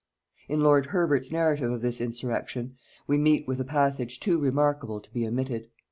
In lord Herbert's narrative of this insurrection, we meet with a passage too remarkable to be omitted.